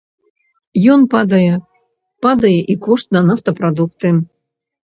Ён падае, падае і кошт на нафтапрадукты.